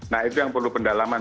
nah itu yang perlu pendalaman